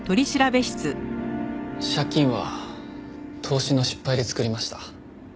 借金は投資の失敗で作りました。